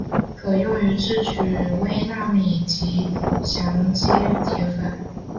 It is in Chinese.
可用于制取微纳米级羰基铁粉。